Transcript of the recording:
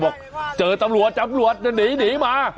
บอกเจอตำรวจตำรวจหนีมา